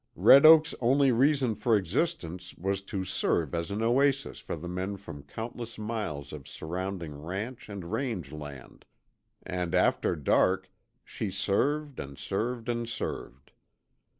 Red Oak's only reason for existence was to serve as an oasis for the men from countless miles of surrounding ranch and range land, and after dark she served and served and served.